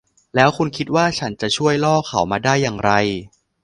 แล้วคุณคิดว่าฉันจะช่วยล่อเขามาได้อย่างไร ?